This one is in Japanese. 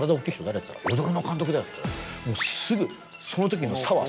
もうすぐそのときの。